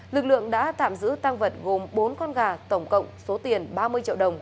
lực lượng đã tạm giữ tăng vật gồm bốn con gà tổng cộng số tiền ba mươi triệu đồng